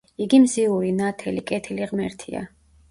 იგი მზიური, ნათელი, კეთილი ღმერთია.